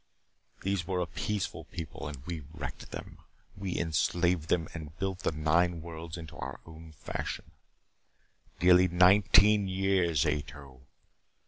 These were a peaceful people. We wrecked them. We enslaved them and built the nine worlds in our own fashion. Nearly nineteen years, Ato!